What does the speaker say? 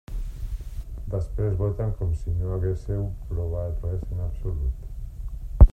Després voten com si no haguésseu provat res en absolut.